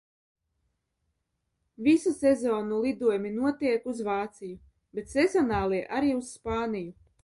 Visu sezonu lidojumi notiek uz Vāciju, bet sezonāli – arī uz Spāniju.